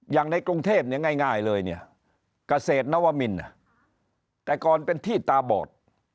อย่างในกรุงเทพเนี่ยง่ายเลยเนี่ยเกษตรนวมินแต่ก่อนเป็นที่ตาบอด